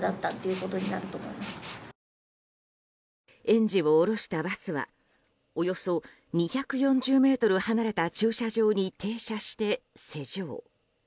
園児を降ろしたバスはおよそ２４０ｍ離れた駐車場に停車して施錠。